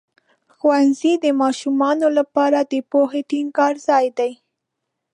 ښوونځی د ماشومانو لپاره د پوهې ټینګار ځای دی.